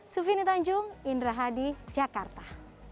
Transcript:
sufini tanjung indra hadi jakarta